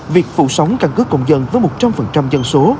việc phụ sóng căn cứ công dân với một trăm linh phần trăm dân số